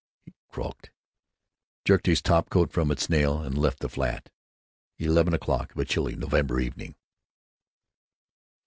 he crawked; jerked his top coat from its nail, and left the flat—eleven o'clock of a chilly November evening.